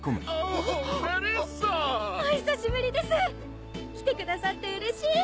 お久しぶりです来てくださってうれしい。